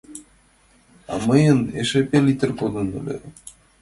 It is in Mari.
А мыйын эше пеллитр кодын ыле.